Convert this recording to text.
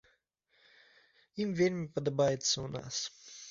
Ім вельмі падабаецца ў нас.